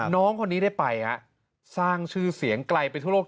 น้องคนนี้ได้ไปสร้างชื่อเสียงไกลไปทั่วโลก